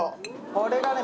これがね